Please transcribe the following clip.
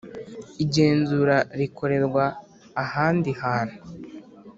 igenzura rikorerwa ahandi hantu